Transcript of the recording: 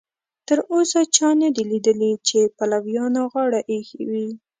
تر اوسه چا نه دي لیدلي چې پلویانو غاړه ایښې وي.